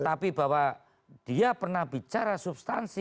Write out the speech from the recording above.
tetapi bahwa dia pernah bicara substansi